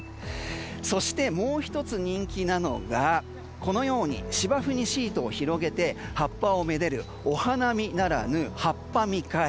そして、もう１つ人気なのがこのように芝生にシートを広げて葉っぱをめでるお花見ならぬ葉っぱ見会。